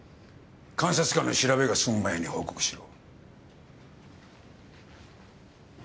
監察官の調べが済む前に報告しろ。